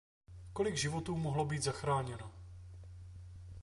Kolik životů mohlo být zachráněno!